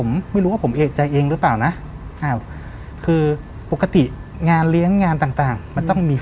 มันเป็นสีเป็นสีสี